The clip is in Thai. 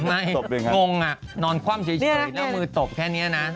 งงอ่ะนอนคว่ำเฉยแล้วมือตบแค่นี้นะ